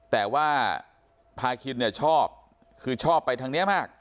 แต่ว่าพาคินเนี่ยชอบคือชอบไปทางนี้มาก